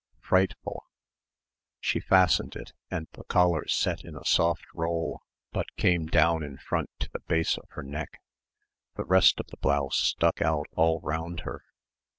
Frightful ... she fastened it, and the collar set in a soft roll but came down in front to the base of her neck. The rest of the blouse stuck out all round her